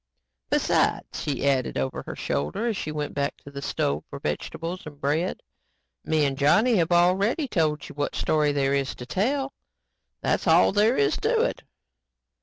"Besides," she added over her shoulder as she went back to the stove for vegetables and bread, "me 'n Johnny have already told you what story there is to tell. That's all there is to it."